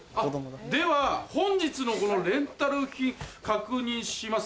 では本日のレンタル費確認します。